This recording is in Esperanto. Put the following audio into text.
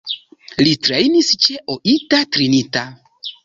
Li trejnis ĉe Oita Trinita.